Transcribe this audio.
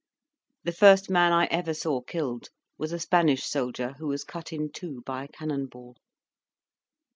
The first man I ever saw killed was a Spanish soldier, who was cut in two by a cannon ball.